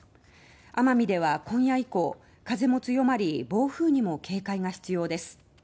奄美では今夜以降風も強まり暴風網も警戒が必要です。